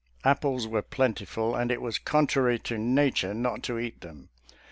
Apples were plen tiful, and it was contrary to nature not to eat them.